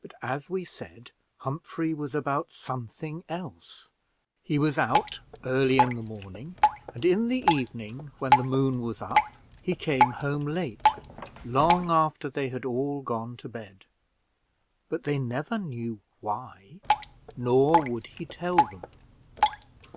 But, as we said, Humphrey was about something else; he was out early in the morning, and in the evening, when the moon was up, he came home late, long after they had all gone to bed; but they never knew why, nor would he tell them.